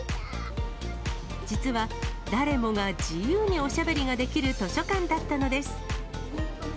実は誰もが自由におしゃべりができる図書館だったのです。